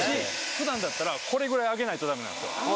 普段だったらこれぐらい上げないとダメなんですよ